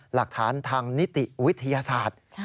หลักฐานทางนิติวิทยาศาสตร์